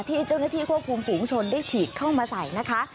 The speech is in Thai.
ที่เจ้าหน้าที่ควบคุมฝูงชนได้ฉีดเข้ามาใส่นะคะ